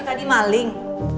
itu tadi maling